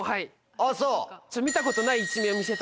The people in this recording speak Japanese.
あっそう。